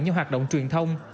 như hoạt động truyền thông